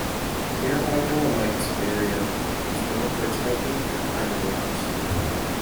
The nearby Dolomites area is known for its hiking and climbing routes.